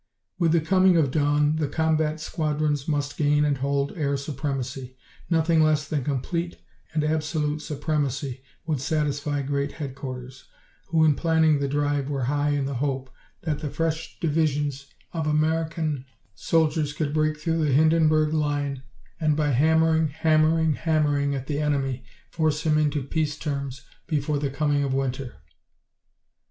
With the coming of dawn the combat squadrons must gain and hold air supremacy. Nothing less than complete and absolute supremacy would satisfy Great Headquarters, who in planning the drive were high in the hope that the fresh divisions of American soldiers could break through the Hindenburg Line and by hammering, hammering, hammering at the enemy force him into peace terms before the coming of winter.